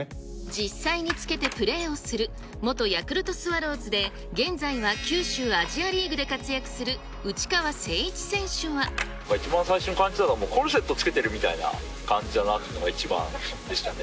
実際につけてプレーをする、元ヤクルトスワローズで、現在は九州アジアリーグで活躍する内川一番最初に感じたのは、コルセット着けてるみたいな感じだなというのが一番でしたね。